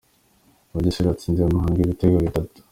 Bugesera yatsinze muhanga ibitego bitatu